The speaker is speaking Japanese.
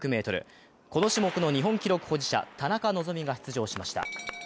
この種目の日本記録保持者田中希実が出場しました。